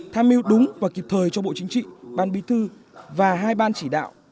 tham mưu đúng và kịp thời cho bộ chính trị ban bí thư và hai ban chỉ đạo